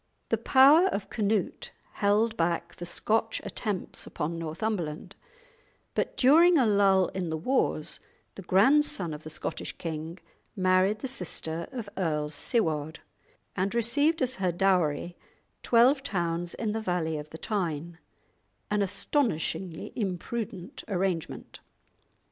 The power of Cnut held back the Scotch attempts upon Nothumberland; but during a lull in the wars the grand son of the Scottish king married the sister of Earl Siward, and received as her dowry twelve towns in the valley of the Tyne, an astonishingly imprudent arrangement.